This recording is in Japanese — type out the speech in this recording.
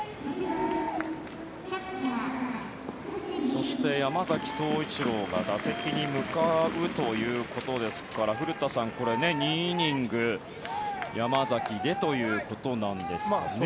そして、山崎颯一郎が打席に向かうということですから古田さん、これ２イニング、山崎でということなんですかね。